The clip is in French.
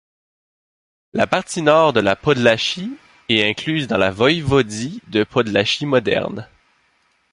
La partie nord de la Podlachie est incluse dans la voïvodie de Podlachie moderne.